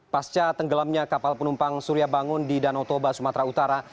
pasca tenggelamnya kapal penumpang surya bangun di danau toba sumatera utara